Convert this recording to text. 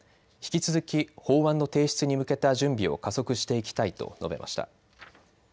引き続き、法案の提出に向けた準備を加速していきたいと述べました。